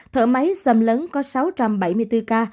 thở máy xâm lấn có sáu trăm bảy mươi bốn ca